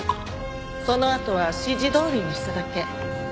そのあとは指示どおりにしただけ。